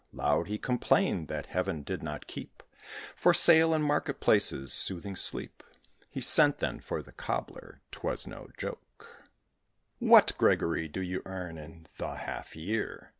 Loud he complain'd that Heaven did not keep For sale, in market places, soothing sleep. He sent, then, for the Cobbler ('twas no joke): "What, Gregory, do you earn in the half year?"